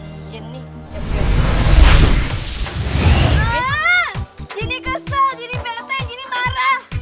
ah jini kesel jini bete jini marah